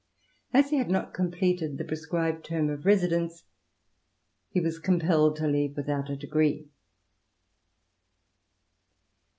As he had not com pleted the prescribed term of residence, he was compelled to leave without a degree.